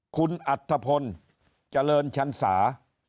คุณอัธพลเจริญชันสา